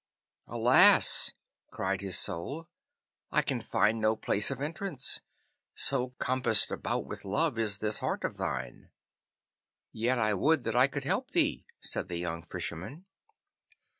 'Alas!' cried his Soul, 'I can find no place of entrance, so compassed about with love is this heart of thine.' 'Yet I would that I could help thee,' said the young Fisherman.